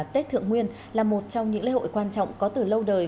trong những lễ hội quan trọng có từ lâu đời